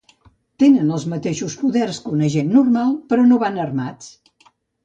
Tenen els mateixos poders que un agent normal, però no van armats.